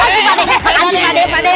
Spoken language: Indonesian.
pak d pak d pak d pak d